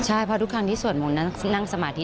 ใช่เพราะทุกครั้งที่สวดมนต์นั่งสมาธิ